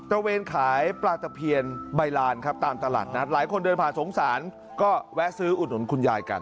ทางระเบียงขายปลาฏเปลี่ยนใบลานหลายคนเดินผ่านสงสารก็แวะซื้ออุดหนุนคุณยายกัน